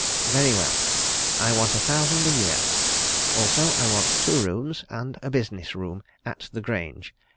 "Very well. I want a thousand a year. Also I want two rooms and a business room at the Grange.